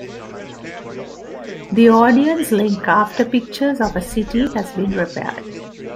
The audience link after "Pictures of a City" has been repaired.